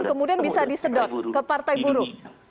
kemudian bisa disedot ke partai buruh